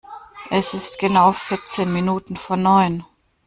Es ist genau vierzehn Minuten vor neun!